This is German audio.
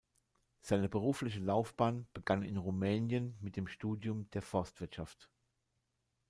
Seine berufliche Laufbahn begann in Rumänien mit dem Studium der Forstwirtschaft.